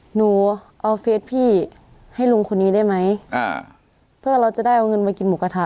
หนูเอาเฟสพี่ให้ลุงคนนี้ได้ไหมอ่าเพื่อเราจะได้เอาเงินมากินหมูกระทะ